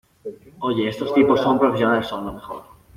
Oye, estos tipos son profesionales. Son lo mejor .